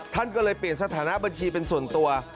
ท่านก็เลยเปลี่ยนสถานะบัญชีเป็นส่วนตัว